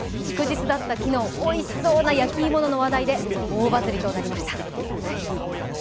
祝日だった昨日、おいしそうな焼き芋の話題で大バズりとなりました。